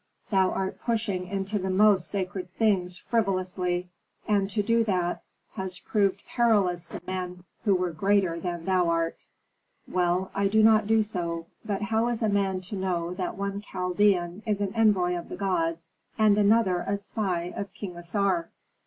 "Thou art pushing into the most sacred things frivolously, and to do that has proved perilous to men who were greater than thou art." "Well, I will not do so. But how is a man to know that one Chaldean is an envoy of the gods, and another a spy of King Assar?"